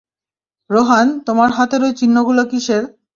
রোহান, তোমার হাতের এই চিহ্নগুলি কিসের?